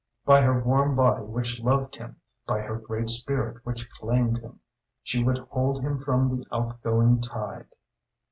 By her warm body which loved him, by her great spirit which claimed him, she would hold him from the outgoing tide.